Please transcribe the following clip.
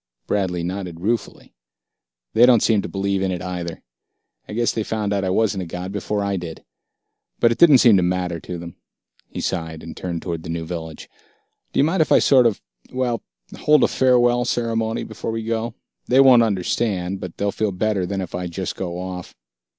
Bradley nodded ruefully. "They don't seem to believe in it, either. I guess they found out I wasn't a god before I did. But it didn't seem to matter to them." He sighed, and turned toward the new village. "Do you mind, if I sort of well, hold a farewell ceremony before we go? They won't understand, but they'll feel better than if I just go off...."